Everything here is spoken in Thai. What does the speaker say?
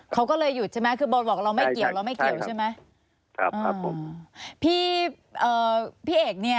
เขาก็เลยหยุดใช่ไหมคือบอกเราไม่เกี่ยวเราไม่เกี่ยวใช่ไหม